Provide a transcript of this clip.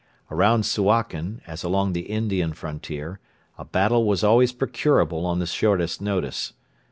Around Suakin, as along the Indian frontier, a battle was always procurable on the shortest notice.